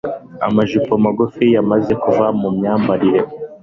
Amajipo magufi yamaze kuva mu myambarire.